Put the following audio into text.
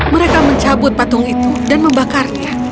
mereka mencabut patung itu dan membakarnya